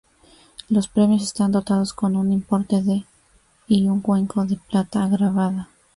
Los premios están dotados con un importe de y un cuenco de plata grabada.